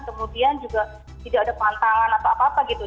kemudian juga tidak ada pantangan atau apa apa gitu